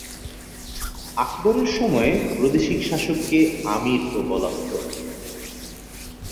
আকবরের সময়ে প্রাদেশিক শাসককে আমীরও বলা হতো।